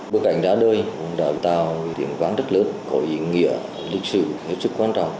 bức ảnh ra đời đã tạo tiếng vang rất lớn có ý nghĩa lịch sử hết sức quan trọng